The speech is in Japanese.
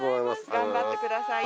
頑張ってください。